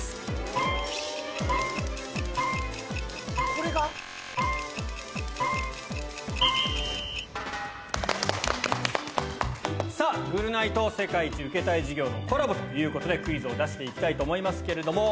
ここからさぁ『ぐるナイ』と『世界一受けたい授業』のコラボということでクイズを出して行きたいと思いますけれども。